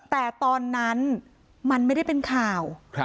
แต่ตอนนั้นมันไม่ได้เป็นข่าว